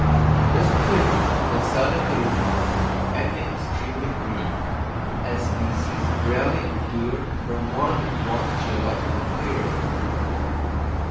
This period will seldom be remote in any extreme degree, as species rarely endure for more than one geological period.